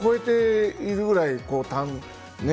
想像を超えているぐらい。